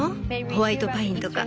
ホワイトパインとか。